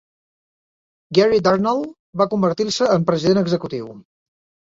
Gary Dartnall va convertir-se en president executiu.